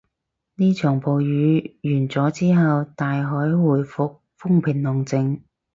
呢場暴風雨完咗之後，大海回復風平浪靜